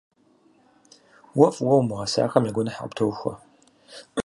Уэ фӏыуэ умыгъэсахэм я гуэныхь къыптохуэ.